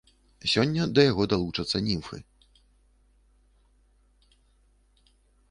Сёння да яго далучацца німфы.